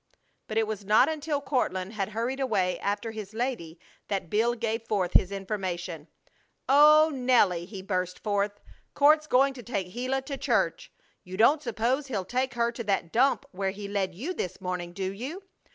But it was not until Courtland had hurried away after his lady that Bill gave forth his information. "Oh, Nelly!" he burst forth. "Court's going to take Gila to church! You don't suppose he'll take her to that dump where he led you this morning, do you?